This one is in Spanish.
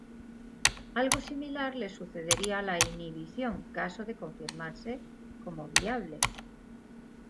Algo similar le sucedería a la inhibición, caso de confirmarse como viable.